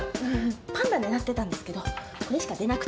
パンダ狙ってたんですけどこれしか出なくって。